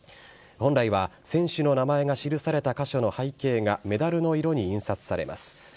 本来は、選手の名前が記された箇所の背景がメダルの色に印刷されます。